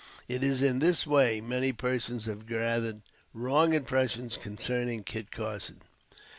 It is in this way, many persons have gathered wrong impressions concerning Kit Carson.